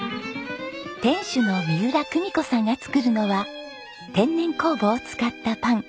店主の三浦久美子さんが作るのは天然酵母を使ったパン。